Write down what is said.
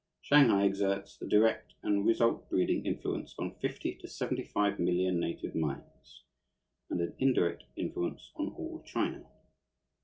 Shanghai exerts a direct and result breeding influence on fifty to seventy five million native minds, and an indirect influence on all China.